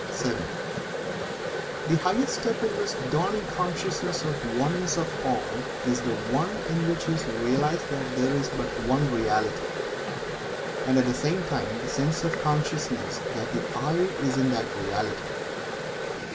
(7) The highest step in this dawning consciousness of the Oneness of All, is the one in which is realized that there is but One Reality, and at the same time the sense of consciousness that the "I" is in that Reality.